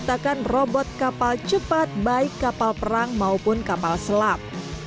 sertakan robot kapal cepat baik kapal perang maupun kapal selam